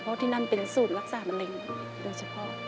เพราะที่นั่นเป็นศูนย์รักษามะเร็งโดยเฉพาะ